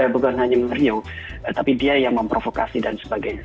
bukan hanya mario tapi dia yang memprovokasi dan sebagainya